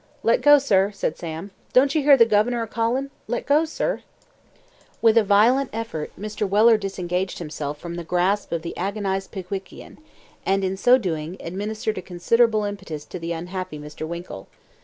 "Let go, sir," said Sam. "Don't you hear the governor a callin'? Let go, sir!" With a violent effort, Mr. Weller disengaged himself from the grasp of the agonized Pickwickian; and, in so doing, administered a considerable impetus to the unhappy Mr. Winkle.